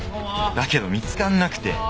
だけど見つかんなくて。